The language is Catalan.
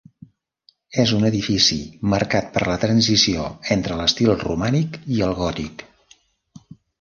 És un edifici marcat per la transició entre l'estil romànic i el gòtic.